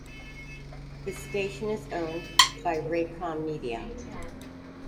The station is owned by Raycom Media.